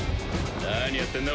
何やってんだ？